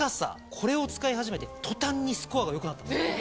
これを使い始めて途端にスコアがよくなったんです。